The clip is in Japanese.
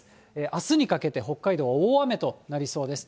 あすにかけて北海道は大雨となりそうです。